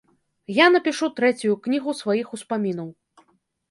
Я напішу трэцюю кнігу сваіх успамінаў.